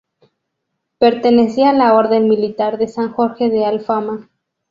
Pertenecía a la orden militar de San Jorge de Alfama.